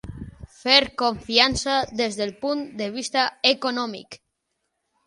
Fer confiança des del punt de vista econòmic.